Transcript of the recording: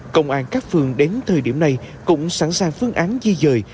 công an các phường đến thời điểm này cũng sẵn sàng phương án di dời